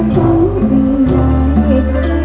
สวัสดีครับ